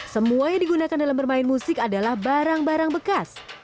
semua yang digunakan dalam bermain musik adalah barang barang bekas